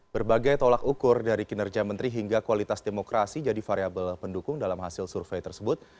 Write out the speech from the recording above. berbagai tolak ukur dari kinerja menteri hingga kualitas demokrasi jadi variable pendukung dalam hasil survei tersebut